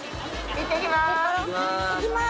いってきます。